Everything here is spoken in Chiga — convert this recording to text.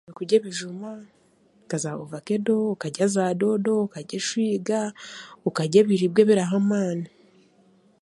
Okurya ebijuma nkaza ovakedo okarya za doodo okarya eswiga okarya n'ebiribwa ebiraha amaani